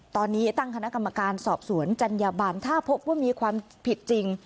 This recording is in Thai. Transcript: ตอนนี้ตั้งคณะกรรมการสอบสวนจัญญาบันถ้าพบว่ามีความผิดจริง